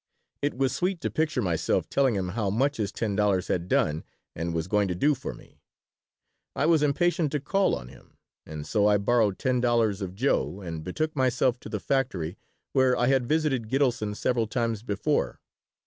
It was sweet to picture myself telling him how much his ten dollars had done and was going to do for me. I was impatient to call on him, and so I borrowed ten dollars of Joe and betook myself to the factory where I had visited Gitelson several times before.